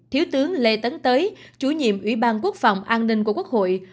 thiếu tướng lê tấn tới chủ nhiệm ủy ban quốc phòng an ninh của quốc hội